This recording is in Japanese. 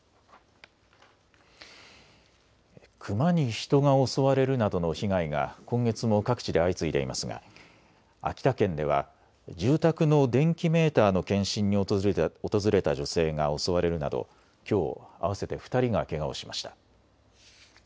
クマに人が襲われるなどの被害が今月も各地で相次いでいますが秋田県では住宅の電気メーターの検針に訪れた女性が襲われるなどきょう合わせて２人がけがをしました。